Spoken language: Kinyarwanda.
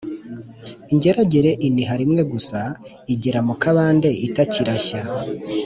Ingeragere iniha rimwe gusa, igera mu kabande itakirashya